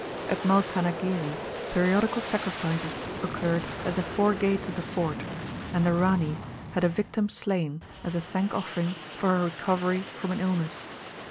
At Malkanagiri, periodical sacrifices occurred at the four gates of the fort, and the Rani had a victim slain as a thank offering for her recovery from an illness."